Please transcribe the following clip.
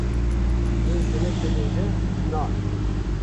lê jinik dibêje Na!